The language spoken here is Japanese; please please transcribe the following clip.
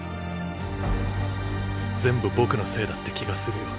全部僕のせいだって気がするよ。